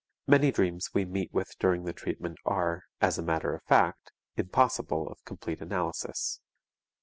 Many dreams we meet with during the treatment are, as a matter of fact, impossible of complete analysis.